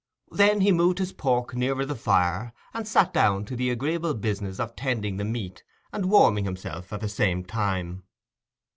Then he moved his pork nearer to the fire, and sat down to the agreeable business of tending the meat and warming himself at the same time.